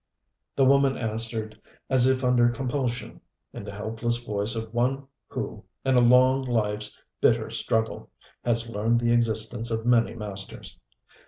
The woman answered as if under compulsion in the helpless voice of one who, in a long life's bitter struggle, has learned the existence of many masters.